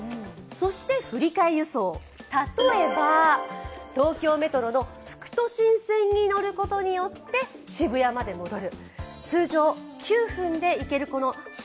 そして振り替え輸送、例えば東京メトロの副都心線に乗ることによって渋谷まで戻る。